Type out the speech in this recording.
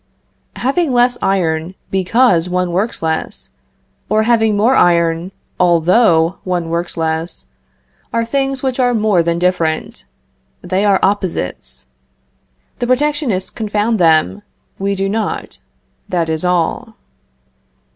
Having less iron because one works less, or having more iron although one works less, are things which are more than different, they are opposites. The protectionists confound them; we do not. That is all.